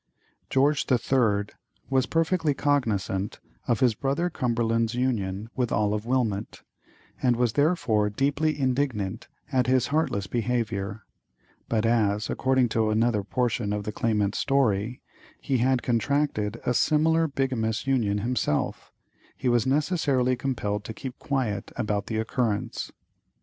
George the Third was perfectly cognizant of his brother Cumberland's union with Olive Wilmot, and was therefore deeply indignant at his heartless behaviour; but as, according to another portion of the claimant's story, he had contracted a similar bigamous union himself, he was necessarily compelled to keep quiet about the occurrence.